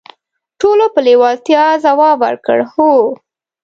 ټولو په لیوالتیا ځواب ورکړ: "هو".